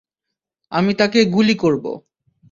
আমি তাকে গুলি করব।